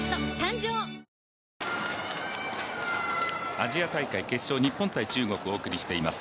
アジア大会決勝日本×中国お送りしています。